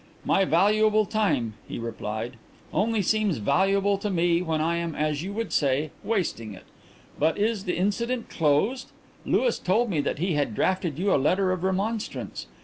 "My valuable time," he replied, "only seems valuable to me when I am, as you would say, wasting it. But is the incident closed? Louis told me that he had drafted you a letter of remonstrance.